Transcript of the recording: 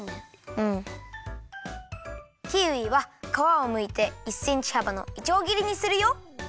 キウイはかわをむいて１センチはばのいちょうぎりにするよ。